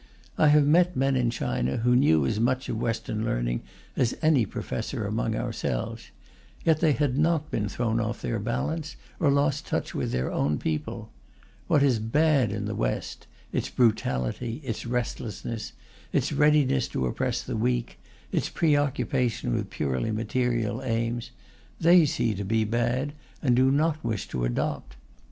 I have met men in China who knew as much of Western learning as any professor among ourselves; yet they had not been thrown off their balance, or lost touch with their own people. What is bad in the West its brutality, its restlessness, its readiness to oppress the weak, its preoccupation with purely material aims they see to be bad, and do not wish to adopt.